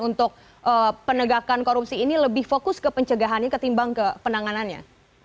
untuk penegakan korupsi ini lebih fokus ke pencegahannya ketimbang ke penanganannya